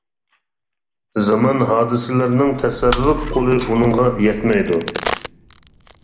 زامان ھادىسىلىرىنىڭ تەسەررۇپ قولى ئۇنىڭغا يەتمەيدۇ.